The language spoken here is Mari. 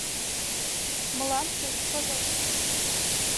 Мылам шыч кодо.